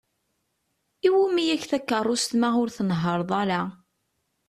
Iwumi-ak takeṛṛust ma ur tnehher-ḍ ara?